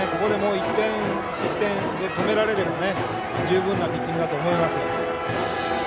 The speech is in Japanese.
１点の失点で止められれば十分なピッチングだと思います。